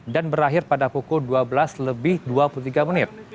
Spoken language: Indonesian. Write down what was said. dan berakhir pada pukul dua belas lebih dua puluh tiga menit